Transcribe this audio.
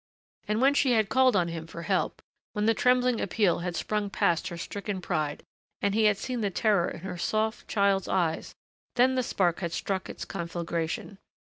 And when she had called on him for help, when the trembling appeal had sprung past her stricken pride, and he had seen the terror in her soft, child's eyes, then the spark had struck its conflagration.